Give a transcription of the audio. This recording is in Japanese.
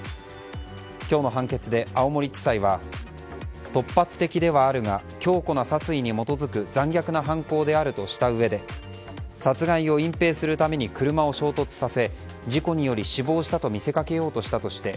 今日の判決で青森地裁は突発的ではあるが強固な殺意に基づく残虐な犯行であるとしたうえで殺害を隠ぺいするために車を衝突させ事故により死亡したと見せかけようとしたとして